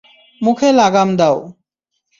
মুখে লাগাম দাও।